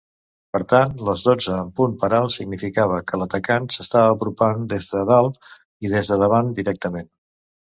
Per tant, "les dotze en punt per alt" significava que l"atacant s"estava apropant des d"alt i des de davant directament.